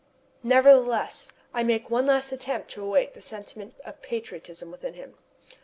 Nevertheless, I make one last attempt to awaken the sentiment of patriotism within him.